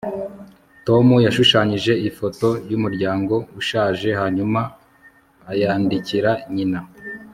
tom yashushanyije ifoto yumuryango ushaje hanyuma ayandikira nyina